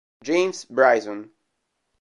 James Bryson